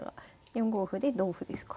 ４五歩で同歩ですか。